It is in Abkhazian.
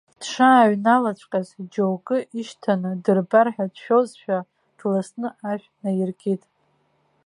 Дшааҩнашылаҵәҟьаз, џьоукы ишьҭаны дырбар ҳәа дшәозшәа, дласны ашә наиркит.